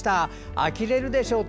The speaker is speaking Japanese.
あきれるでしょ？って。